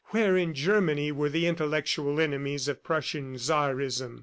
Where in Germany were the intellectual enemies of Prussian Czarism?